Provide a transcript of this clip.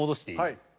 はい。